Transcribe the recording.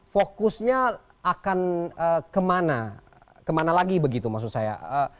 fokusnya akan kemana kemana lagi begitu maksud saya